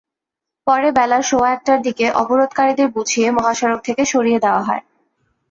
পরে বেলা সোয়া একটার দিকে অবরোধকারীদের বুঝিয়ে মহাসড়ক থেকে সরিয়ে দেওয়া হয়।